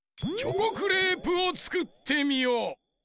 チョコクレープをつくってみよ！